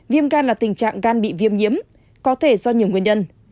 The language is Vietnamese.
viêm gan là tình trạng gan bị viêm nhiễm có thể do nhiều nguyên nhân